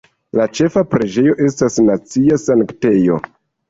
La ĉefa preĝejo estas nacia sanktejo.